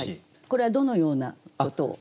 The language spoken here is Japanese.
これはどのようなことを？